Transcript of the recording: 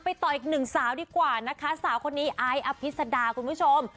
ต่ออีกหนึ่งสาวดีกว่านะคะสาวคนนี้ไอซ์อภิษดาคุณผู้ชม